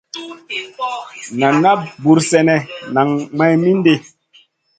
Nan na buur sènè nang may mindi.